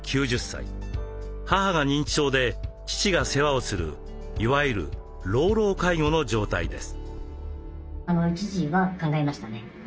母が認知症で父が世話をするいわゆる「老老介護」の状態です。